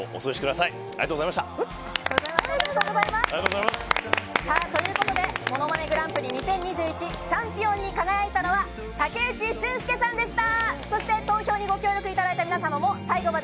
さあ、ということで、ものまねグランプリ２０２１チャンピオンに輝いたのは、武内駿輔さんでした。